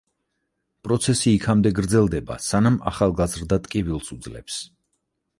პროცესი იქამდე გრძელდება სანამ ახალგაზრდა ტკივილს უძლებს.